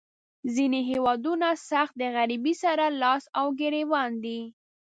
ځینې هیوادونه سخت د غریبۍ سره لاس او ګریوان دي.